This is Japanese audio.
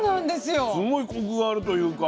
すごいコクがあるというか。